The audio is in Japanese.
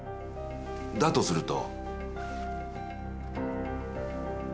だとすると。